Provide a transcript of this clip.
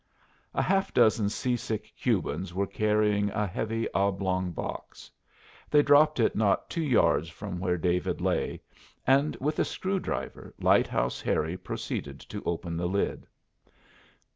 A half dozen sea sick Cubans were carrying a heavy, oblong box. They dropped it not two yards from where David lay, and with a screw driver Lighthouse Harry proceeded to open the lid.